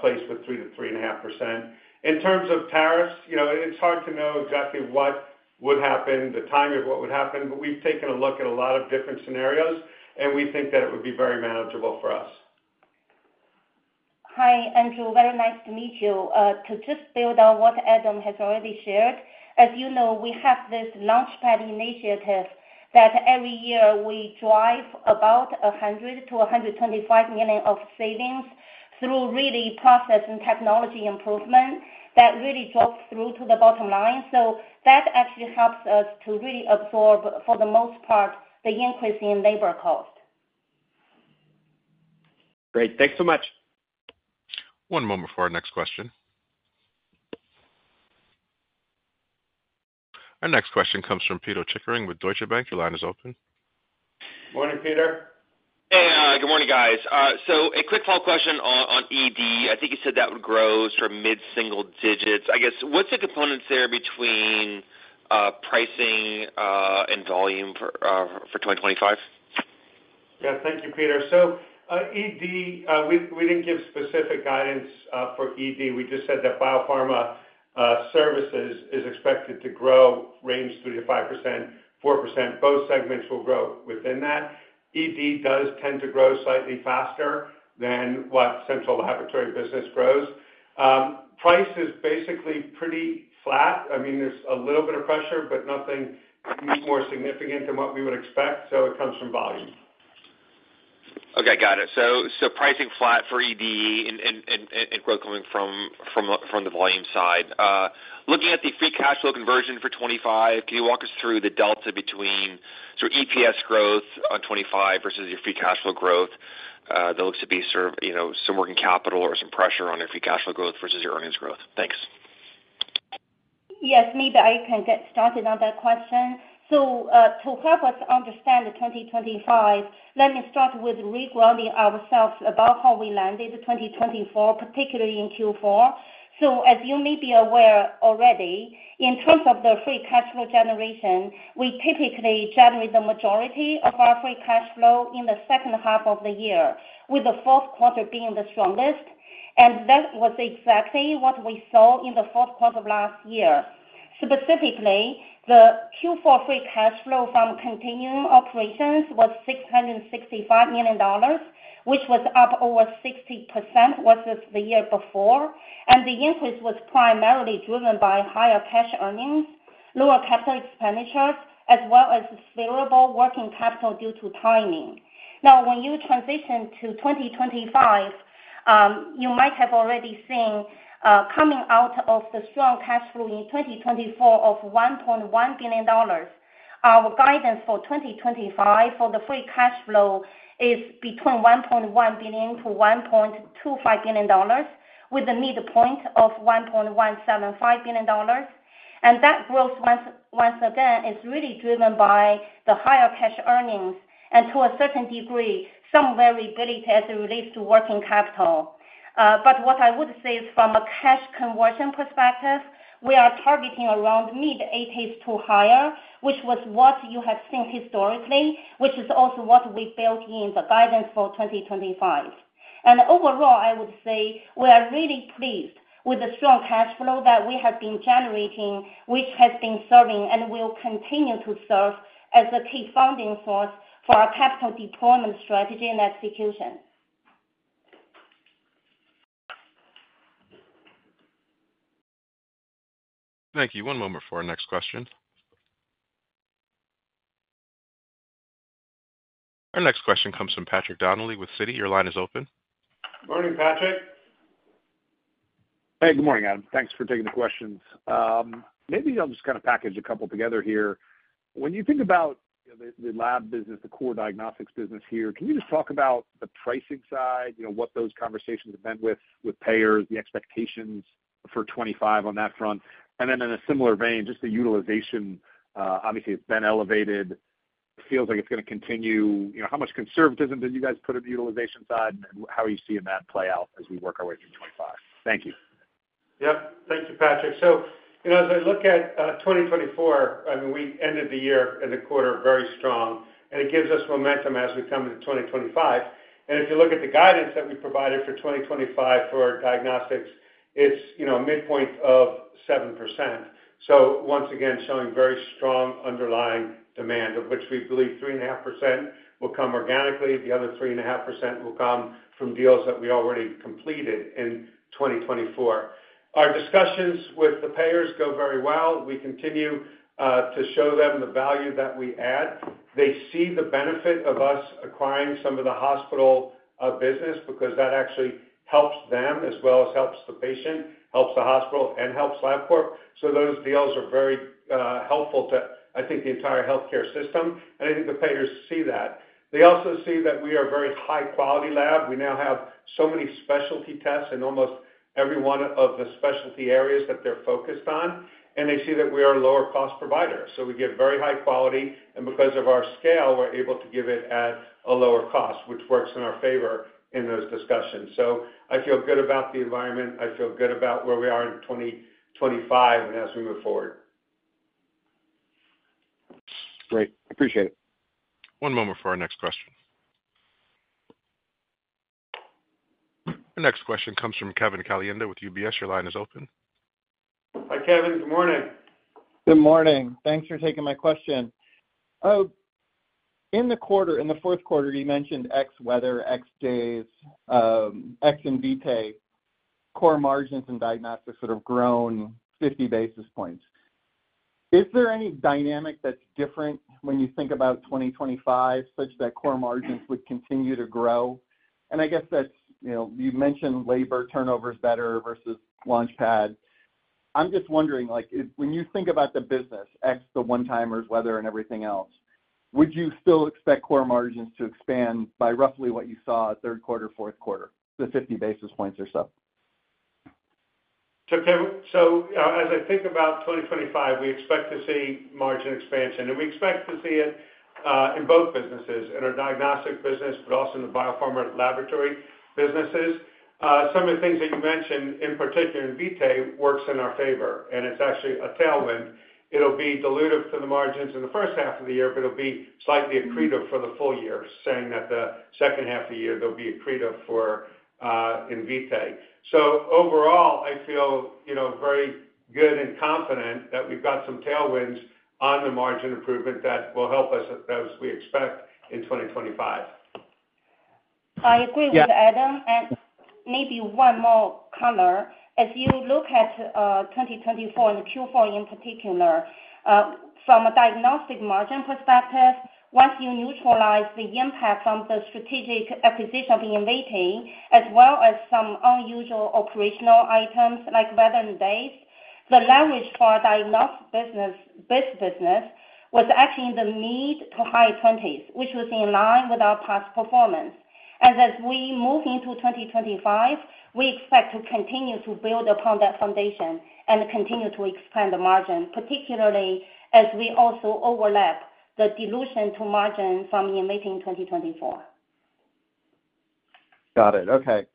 place with 3%-3.5%. In terms of tariffs, it's hard to know exactly what would happen, the timing of what would happen. But we've taken a look at a lot of different scenarios, and we think that it would be very manageable for us. Hi, Andrew. Very nice to meet you. To just build on what Adam has already shared, as you know, we have this Launchpad initiative that every year we drive about $100 million-$125 million of savings through really process and technology improvement that really drops through to the bottom line. So that actually helps us to really absorb, for the most part, the increase in labor cost. Great. Thanks so much. One moment for our next question. Our next question comes from Pito Chickering with Deutsche Bank. Your line is open. Good Morning, Pito. Hey. Good morning, guys. So a quick follow-up question on ED. I think you said that would grow sort of mid-single digits. I guess, what's the components there between pricing and volume for 2025? Yeah. Thank you, Pito. So ED, we didn't give specific guidance for ED. We just said that biopharma services is expected to grow range 3%-5%, 4%. Both segments will grow within that. ED does tend to grow slightly faster than what central laboratory business grows. Price is basically pretty flat. I mean, there's a little bit of pressure, but nothing more significant than what we would expect. So it comes from volume. Okay. Got it. So pricing flat for ED and growth coming from the volume side. Looking at the free cash flow conversion for 2025, can you walk us through the delta between sort of EPS growth on 2025 versus your free cash flow growth that looks to be sort of some working capital or some pressure on your free cash flow growth versus your earnings growth? Thanks. Yes. Maybe I can get started on that question. So to help us understand the 2025, let me start with re-grounding ourselves about how we landed 2024, particularly in Q4. So as you may be aware already, in terms of the free cash flow generation, we typically generate the majority of our free cash flow in the second half of the year, with the fourth quarter being the strongest. And that was exactly what we saw in the fourth quarter last year. Specifically, the Q4 free cash flow from continuing operations was $665 million, which was up over 60% versus the year before. And the increase was primarily driven by higher cash earnings, lower capital expenditures, as well as favorable working capital due to timing. Now, when you transition to 2025, you might have already seen coming out of the strong cash flow in 2024 of $1.1 billion. Our guidance for 2025 for the free cash flow is between $1.1 billion-$1.25 billion, with a midpoint of $1.175 billion. And that growth, once again, is really driven by the higher cash earnings and, to a certain degree, some variability as it relates to working capital. But what I would say is, from a cash conversion perspective, we are targeting around mid-80s% to higher, which was what you have seen historically, which is also what we built in the guidance for 2025. And overall, I would say we are really pleased with the strong cash flow that we have been generating, which has been serving and will continue to serve as a key funding source for our capital deployment strategy and execution. Thank you. One moment for our next question. Our next question comes from Patrick Donnelly with Citi. Your line is open. Morning, Patrick. Hey. Good morning, Adam. Thanks for taking the questions. Maybe I'll just kind of package a couple together here. When you think about the lab business, the core diagnostics business here, can you just talk about the pricing side, what those conversations have been with payers, the expectations for 2025 on that front? And then in a similar vein, just the utilization, obviously, it's been elevated. It feels like it's going to continue. How much conservatism did you guys put in the utilization side, and how are you seeing that play out as we work our way through 2025? Thank you. Yep. Thank you, Patrick, so as I look at 2024, I mean, we ended the year and the quarter very strong, and it gives us momentum as we come into 2025, and if you look at the guidance that we provided for 2025 for diagnostics, it's midpoint of 7%, so once again, showing very strong underlying demand, of which we believe 3.5% will come organically. The other 3.5% will come from deals that we already completed in 2024. Our discussions with the payers go very well. We continue to show them the value that we add. They see the benefit of us acquiring some of the hospital business because that actually helps them as well as helps the patient, helps the hospital, and helps Labcorp. So those deals are very helpful to, I think, the entire healthcare system. I think the payers see that. They also see that we are a very high-quality lab. We now have so many specialty tests in almost every one of the specialty areas that they're focused on. They see that we are a lower-cost provider. We give very high quality. Because of our scale, we're able to give it at a lower cost, which works in our favor in those discussions. I feel good about the environment. I feel good about where we are in 2025 and as we move forward. Great. Appreciate it. One moment for our next question. Our next question comes from Kevin Caliendo with UBS. Your line is open. Hi, Kevin. Good morning. Good morning. Thanks for taking my question. In the quarter, in the fourth quarter, you mentioned ex weather, ex days, ex Invitae, core margins and diagnostics that have grown 50 basis points. Is there any dynamic that's different when you think about 2025 such that core margins would continue to grow? And I guess, as you mentioned, labor turnover is better versus LaunchPad. I'm just wondering, when you think about the business, ex the one-timers, weather, and everything else, would you still expect core margins to expand by roughly what you saw third quarter, fourth quarter, the 50 basis points or so? Okay. So as I think about 2025, we expect to see margin expansion. And we expect to see it in both businesses, in our diagnostic business, but also in the biopharma laboratory businesses. Some of the things that you mentioned, in particular, it works in our favor. And it's actually a tailwind. It'll be dilutive for the margins in the first half of the year, but it'll be slightly accretive for the full year, saying that the second half of the year there'll be accretive for it. So overall, I feel very good and confident that we've got some tailwinds on the margin improvement that will help us as we expect in 2025. I agree with Adam. And maybe one more color. As you look at 2024 and Q4 in particular, from a diagnostic margin perspective, once you neutralize the impact from the strategic acquisition of Invitae as well as some unusual operational items like weather and days, the leverage for our diagnostic business was actually in the mid to high 20s, which was in line with our past performance. And as we move into 2025, we expect to continue to build upon that foundation and continue to expand the margin, particularly as we also overlap the dilution to margin from Invitae in 2024. Got it. Okay.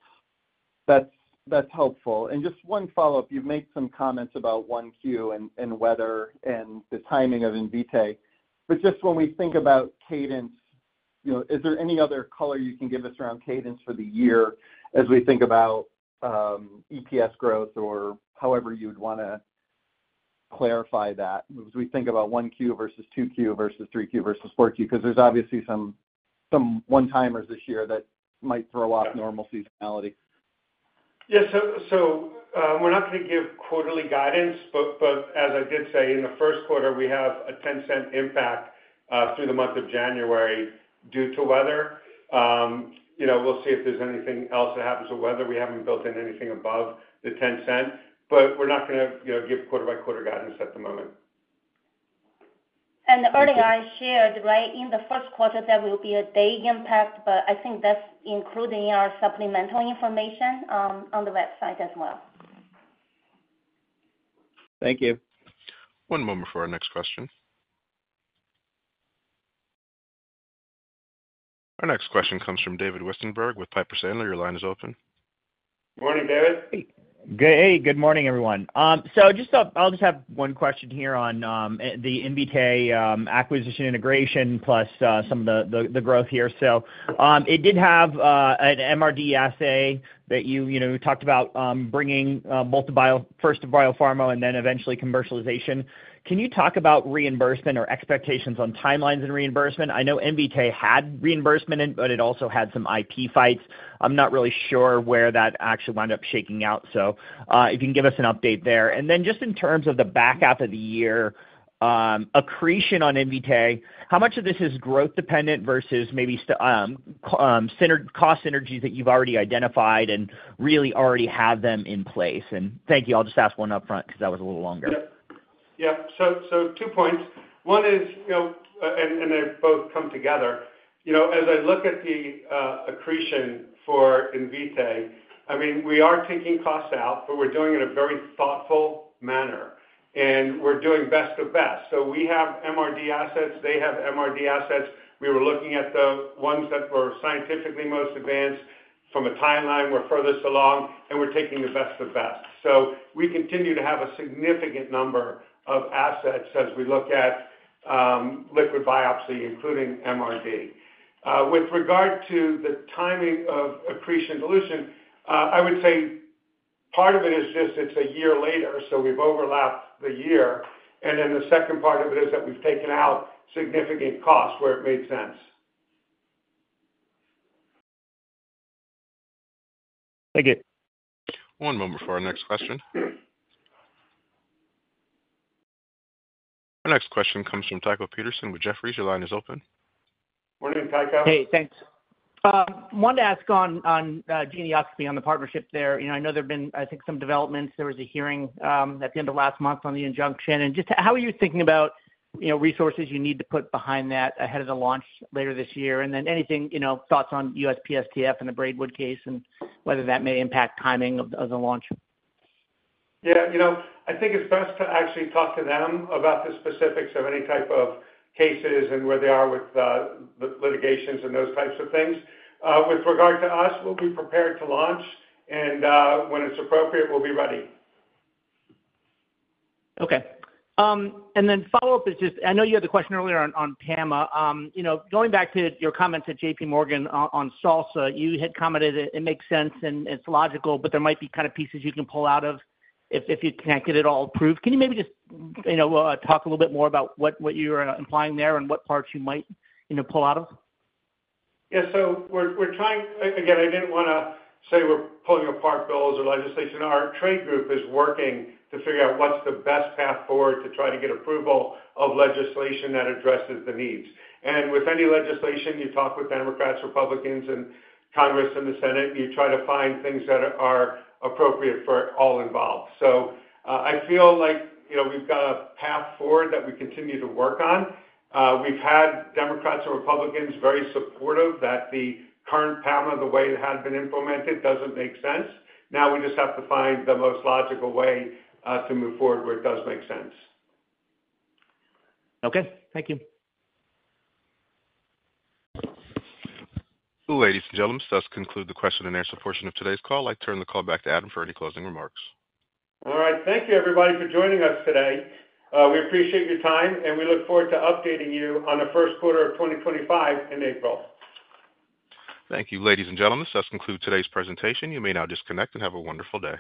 That's helpful. And just one follow-up. You've made some comments about 1Q and weather and the timing of Invitae. But just when we think about cadence, is there any other color you can give us around cadence for the year as we think about EPS growth or however you'd want to clarify that as we think about 1Q versus 2Q versus 3Q versus 4Q? Because there's obviously some one-timers this year that might throw off normal seasonality. Yeah. So we're not going to give quarterly guidance. But as I did say, in the first quarter, we have a $0.10 impact through the month of January due to weather. We'll see if there's anything else that happens with weather. We haven't built in anything above the $0.10. But we're not going to give quarter-by-quarter guidance at the moment. And earlier I shared, right, in the first quarter, there will be a day impact. But I think that's included in our supplemental information on the website as well. Thank you. One moment for our next question. Our next question comes from David Westenberg with Piper Sandler. Your line is open. Good morning, David. Hey. Good morning, everyone. So I'll just have one question here on the Invitae acquisition integration plus some of the growth here. So it did have an MRD assay that you talked about bringing both the first to biopharma and then eventually commercialization. Can you talk about reimbursement or expectations on timelines and reimbursement? I know Invitae had reimbursement, but it also had some IP fights. I'm not really sure where that actually wound up shaking out. So if you can give us an update there. And then just in terms of the back half of the year, accretion on Invitae, how much of this is growth-dependent versus maybe cost synergies that you've already identified and really already have them in place? And thank you. I'll just ask one upfront because that was a little longer. Yep. Yep. So two points. One is, and they both come together. As I look at the accretion for Invitae, I mean, we are taking costs out, but we're doing it in a very thoughtful manner. And we're doing best of best. So we have MRD assets. They have MRD assets. We were looking at the ones that were scientifically most advanced from a timeline. We're furthest along, and we're taking the best of best. So we continue to have a significant number of assets as we look at liquid biopsy, including MRD. With regard to the timing of accretion dilution, I would say part of it is just it's a year later. So we've overlapped the year. And then the second part of it is that we've taken out significant costs where it made sense. Thank you. One moment for our next question. Our next question comes from Tycho Peterson with Jefferies. Your line is open. Morning, Tycho. Hey. Thanks. I wanted to ask on Geneoscopy on the partnership there. I know there have been, I think, some developments. There was a hearing at the end of last month on the injunction. And just how are you thinking about resources you need to put behind that ahead of the launch later this year? And then any thoughts on USPSTF and the Braidwood case and whether that may impact timing of the launch? Yeah. I think it's best to actually talk to them about the specifics of any type of cases and where they are with litigations and those types of things. With regard to us, we'll be prepared to launch, and when it's appropriate, we'll be ready. Okay. And then, follow-up is just, I know you had the question earlier on PAMA. Going back to your comments at JPMorgan on SALSA you had commented it makes sense and it's logical, but there might be kind of pieces you can pull out of if you can't get it all approved. Can you maybe just talk a little bit more about what you're implying there and what parts you might pull out of? Yeah, so we're trying again, I didn't want to say we're pulling apart bills or legislation. Our trade group is working to figure out what's the best path forward to try to get approval of legislation that addresses the needs. And with any legislation, you talk with Democrats, Republicans, and Congress, and the Senate, and you try to find things that are appropriate for all involved. So I feel like we've got a path forward that we continue to work on. We've had Democrats and Republicans very supportive that the current PAMA, the way it had been implemented, doesn't make sense. Now we just have to find the most logical way to move forward where it does make sense. Okay. Thank you. Well, ladies and gentlemen, so that's concluded the question and answer portion of today's call. I'd like to turn the call back to Adam for any closing remarks. All right. Thank you, everybody, for joining us today. We appreciate your time, and we look forward to updating you on the first quarter of 2025 in April. Thank you, ladies and gentlemen. So that's concluded today's presentation. You may now disconnect and have a wonderful day.